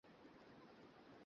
এর মূলে ছিল কে?